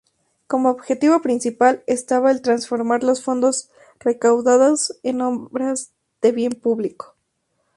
Como objetivo principal estaba el transformar los fondos recaudados en obras de bien público.